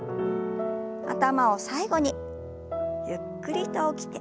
頭を最後にゆっくりと起きて。